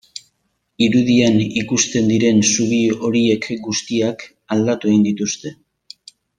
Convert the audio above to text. Irudian ikusten diren zubi horiek guztiak aldatu egin dituzte.